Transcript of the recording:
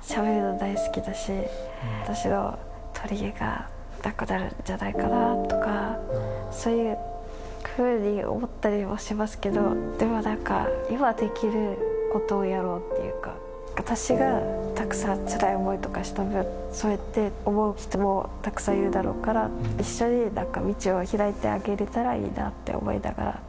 しゃべるの大好きだし、私の取り柄がなくなるんじゃないかなとか、そういうふうに思ったりもしますけど、でもなんか、今できることをやろうっていうか、私がたくさんつらい思いとかしたぶん、そうやって思う人もたくさんいるだろうから、一緒になんか、道を開いてあげれたらいいなって思いながら。